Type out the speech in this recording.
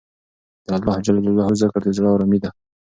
د اللهﷻ ذکر د زړه ارامي ده.